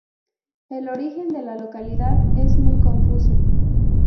El origen de la localidad es muy confuso.